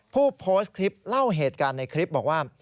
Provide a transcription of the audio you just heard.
ผู้โพสต์คลิปเล่าเหตุการณ์ในคลิปบอกว่า